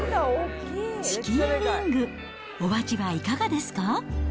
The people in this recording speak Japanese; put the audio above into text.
チキンウィング、お味はいかがですか？